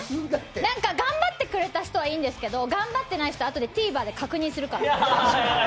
頑張ってくれた人はいいんですけど頑張ってない人は、あとでＴＶｅｒで確認するから。